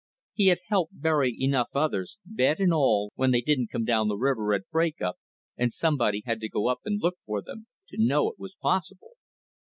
He had helped bury enough others, bed and all when they didn't come down the river at breakup and somebody had to go up and look for them, to know it was possible.